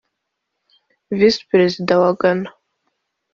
Visi Perezida wa Ghana